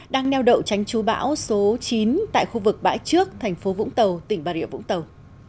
đang neo đậu tránh chú bão số chín tại khu vực bãi trước thành phố vũng tàu tỉnh bà rịa vũng tàu